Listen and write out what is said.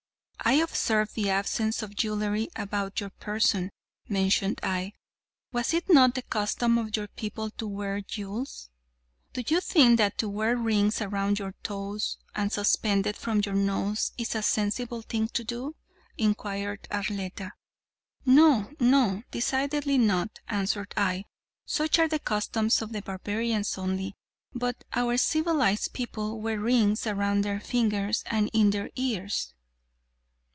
"I observe an absence of jewelry about your person," mentioned I, "was it not the custom of your people to wear jewels?" "Do you think that to wear rings around your toes and suspended from your nose is a sensible thing to do?" inquired Arletta. "No, no; decidedly not," answered I, "such are the customs of the barbarians only, but our civilized people wear rings around their fingers and in their ears."